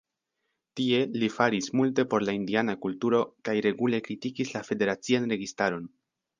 Tie li faris multe por la indiana kulturo kaj regule kritikis la federacian registaron.